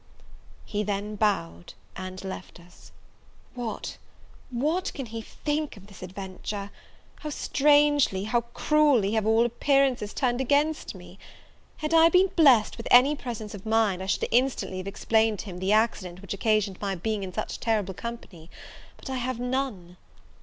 He then bowed and left us. What, what can he think of this adventure! how strangely how cruelly have all appearances turned against me! Had I been blessed with any presence of mind, I should instantly have explained to him the accident which occasioned my being in such terrible company: but I have none!